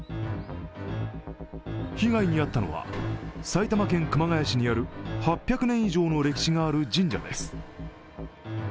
被害に遭ったのは埼玉県熊谷市にある８００年以上の歴史がある神社です。